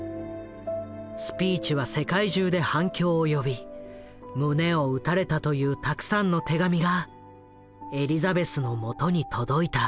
スピーチは世界中で反響を呼び胸を打たれたというたくさんの手紙がエリザベスのもとに届いた。